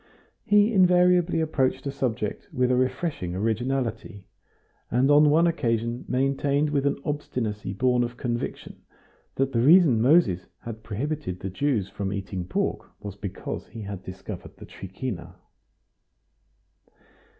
He invariably approached a subject with a refreshing originality, and on one occasion maintained with an obstinacy born of conviction that the reason Moses had prohibited the Jews from eating pork was because he had discovered the trichina.